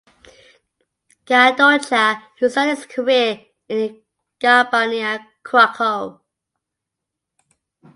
Gadocha, who started his career in Garbarnia Krakow.